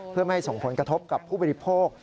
เพื่อไม่ให้ส่งผลกระทบกับผู้บริโภค